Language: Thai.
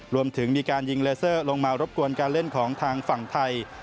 รวมถึงมีการยิงเลเซอร์ลงมารบกวนการเล่นของทางฝั่งไทย